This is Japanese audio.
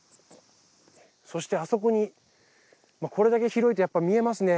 そしてあそこにこれだけ広いとやっぱ見えますね